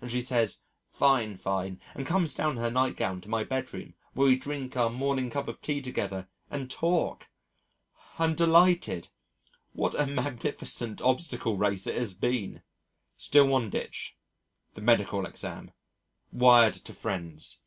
and she says, "Fine, fine," and comes down in her nightgown to my bedroom, where we drink our morning cup of tea together and talk! I'm delighted. What a magnificent obstacle race it has been! Still one ditch the medical exam! Wired to friends.